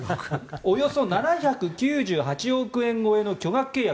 およそ７９８億円超えの巨額契約。